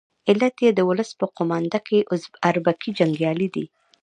علت یې د ولس په قومانده کې اربکي جنګیالي دي.